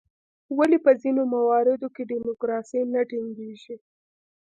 ولې په ځینو مواردو کې ډیموکراسي نه ټینګیږي؟